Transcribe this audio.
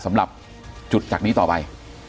สำหรับจุดจากนี้ต่อไป